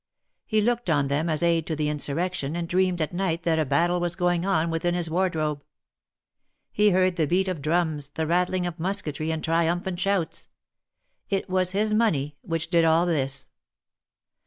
He looked on them as aid to the insurrection, and dreamed at night that a battle was going on within his wardrobe. He heard the beat of drums, the rattling of musketry and triumphant shouts — it was his money which did all this.